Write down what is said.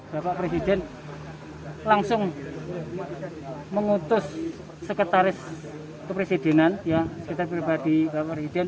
bapak presiden langsung mengutus sekretaris kepresidenan pribadi bapak presiden